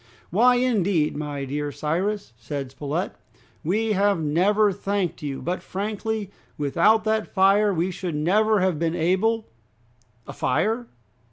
"Why, indeed, my dear Cyrus," said Spilett, "we have never thanked you; but frankly, without that fire we should never have been able " "A fire?"